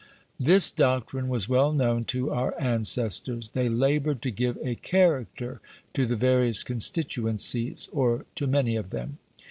This doctrine was well known to our ancestors. They laboured to give a CHARACTER to the various constituencies, or to many of them.